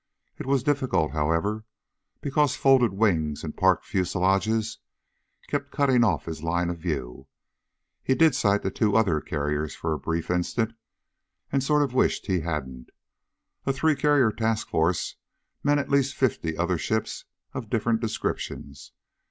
It was difficult, however, because folded wings and parked fuselages kept cutting off his line of view. He did sight the two other carriers for a brief instant and sort of wished he hadn't. A three carrier task force meant at least fifty other ships of different descriptions.